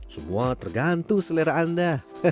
semua tergantung selera anda